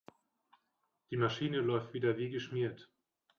Die Maschine läuft wieder wie geschmiert.